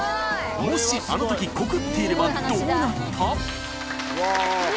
もしあのとき告っていればどうなった？！